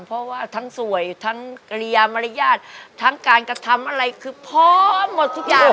เพราะว่าทั้งสวยทั้งกริยามารยาททั้งการกระทำอะไรคือพร้อมหมดทุกอย่าง